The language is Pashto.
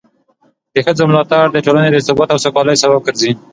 د ښځو ملاتړ د ټولنې د ثبات او سوکالۍ سبب ګرځي.